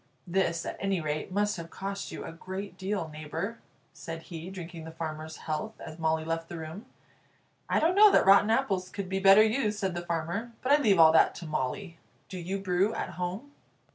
"This, at any rate, must have cost you a great deal, neighbour," said he, drinking the farmer's health as Molly left the room. "I don't know that rotten apples could be better used," said the farmer; "but I leave all that to Molly. Do you brew at home?"